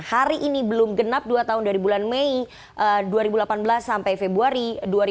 hari ini belum genap dua tahun dari bulan mei dua ribu delapan belas sampai februari dua ribu delapan belas